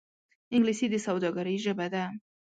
انګلیسي د سوداگرۍ ژبه ده